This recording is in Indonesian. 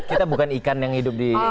kita bukan ikan yang hidup di